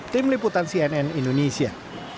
tim liputan cnn indonesia